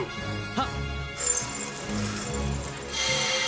はっ。